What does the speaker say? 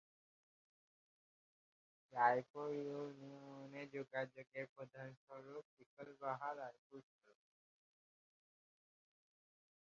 রায়পুর ইউনিয়নে যোগাযোগের প্রধান সড়ক শিকলবাহা-রায়পুর সড়ক।